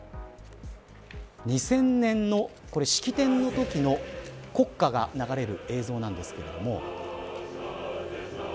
２０００年の式典のときの国歌が流れる映像なんですけれども。